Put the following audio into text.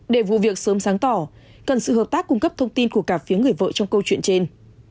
để vụ việc sớm sáng tỏ cần sự hợp tác cung cấp thông tin của cả phía người vợ trong câu chuyện trên